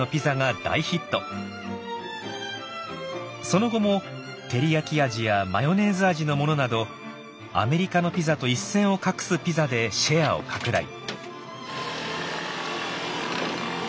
その後も照り焼き味やマヨネーズ味のものなどアメリカのピザと一線を画すピザでシェアを拡大。